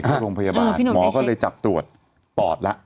ที่โรงพยาบาลหมอก็เลยจับตรวจปอดละ